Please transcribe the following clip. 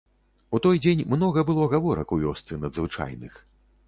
У той дзень многа было гаворак у вёсцы надзвычайных.